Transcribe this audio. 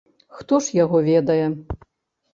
Хто ж яго ведае.